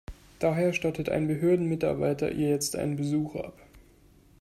Daher stattet ein Behördenmitarbeiter ihr jetzt einen Besuch ab.